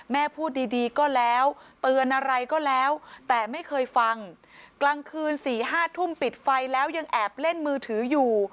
พูดดีดีก็แล้วเตือนอะไรก็แล้วแต่ไม่เคยฟังกลางคืน๔๕ทุ่มปิดไฟแล้วยังแอบเล่นมือถืออยู่